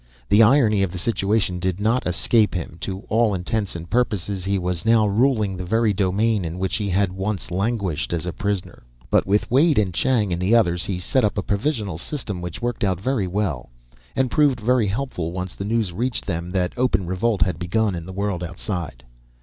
The irony of the situation did not escape him; to all intents and purposes he was now ruling the very domain in which he had once languished as a prisoner. But with Wade and Chang and the others, he set up a provisional system which worked out very well. And proved very helpful, once the news reached them that open revolt had begun in the world outside.